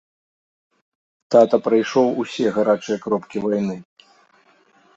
Тата прайшоў усе гарачыя кропкі вайны.